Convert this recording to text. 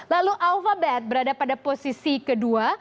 lalu alphabeth berada pada posisi kedua